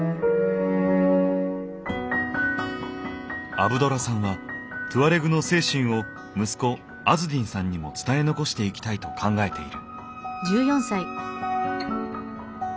アブドラさんはトゥアレグの精神を息子アズディンさんにも伝え残していきたいと考えている。